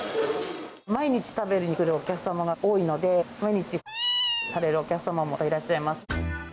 毎日食べにくるお客様が多いので、毎日×××するお客様もいらっしゃいます。